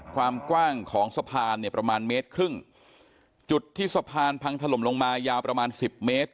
ความกว้างของสะพานเนี่ยประมาณเมตรครึ่งจุดที่สะพานพังถล่มลงมายาวประมาณสิบเมตร